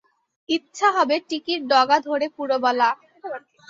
ইচ্ছা হবে টিকির ডগা ধরে পুরবালা।